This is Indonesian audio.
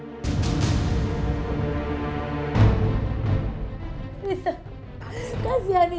jangan jual risa lagi